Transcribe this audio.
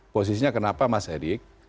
posisinya kenapa mas erick